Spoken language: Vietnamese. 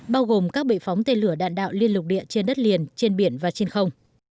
bao gồm các bệ phóng tên lửa đạn đạo liên lục địa trên đất liền trên biển và trên không